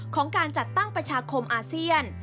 ของการจัดตั้งประชาคมอาเซียน